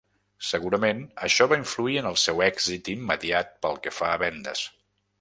Segurament, això va influir en el seu èxit immediat pel que fa a vendes.